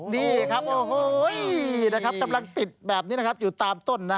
นี่ครับโอ้โฮ้นะครับกำลังติดอยู่ตามต้น